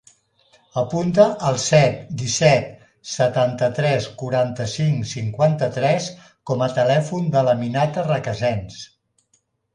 Apunta el set, disset, setanta-tres, quaranta-cinc, cinquanta-tres com a telèfon de l'Aminata Recasens.